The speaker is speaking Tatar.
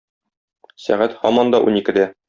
Сәгать һаман да уникедә.